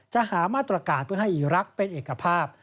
หามาตรการเพื่อให้อีรักษ์เป็นเอกภาพ